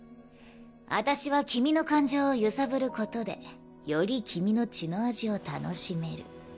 あたしは君の感情を揺さぶることでより君の血の味を楽しめる。